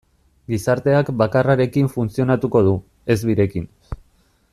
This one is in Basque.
Gizarteak bakarrarekin funtzionatuko du, ez birekin.